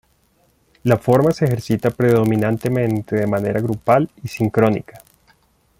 La forma se ejercita predominantemente de manera grupal y sincrónica.